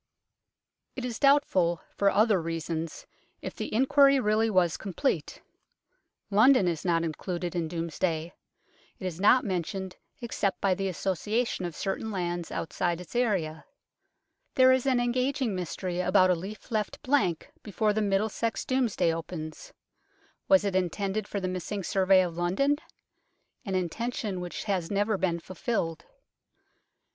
It is doubtful, for other reasons, if the inquiry really was complete. London is not included in Domesday ; it is not mentioned except by the association of certain lands outside its area. There is an engaging mystery about a leaf left blank before the Middlesex Domesday opens. Was it intended for the missing survey of London ? an intention which has never been fulfilled.